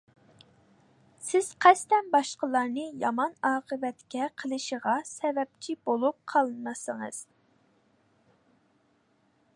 سىز قەستەن باشقىلارنى يامان ئاقىۋەتكە قېلىشىغا سەۋەبچى بولۇپ قالمىسىڭىز.